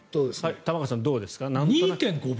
玉川さん、どうですか。